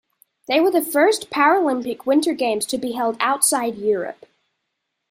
They were the first Paralympic Winter Games to be held outside Europe.